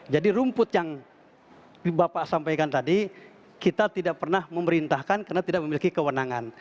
jadi rumput yang bapak sampaikan tadi kita tidak pernah memerintahkan karena tidak memiliki kewenangan